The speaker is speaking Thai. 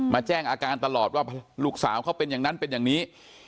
แจ้งอาการตลอดว่าลูกสาวเขาเป็นอย่างนั้นเป็นอย่างนี้